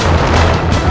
aku merasa kecoh